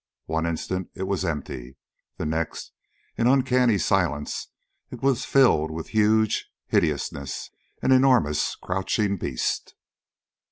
One instant it was empty; the next, in uncanny silence, it was filled with huge hideousness an enormous, crouching beast.